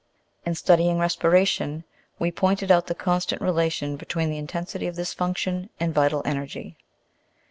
In studying respiration, we pointed out the constant relation between the intensity of this function and vital energy.